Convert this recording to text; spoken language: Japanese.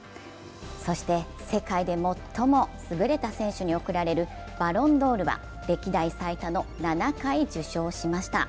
そして世界で最も優れた選手に贈られるバロンドールは歴代最多の７回受賞しました。